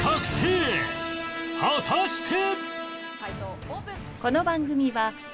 果たして